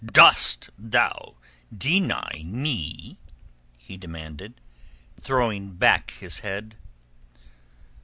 "Dost thou deny me?" he demanded, throwing back his head.